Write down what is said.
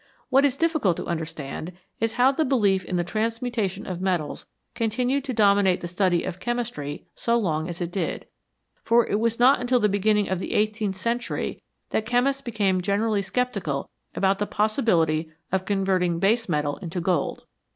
What is difficult to understand is how the belief in the transmutation of metals continued to dominate the study of chemistry so long as it did, for it was not until the beginning of the eighteenth cen tury that chemists became generally sceptical about the possibility of converting base metal into gold.